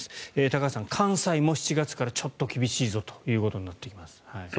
高橋さん、関西も７月からちょっと厳しいぞということになってきます。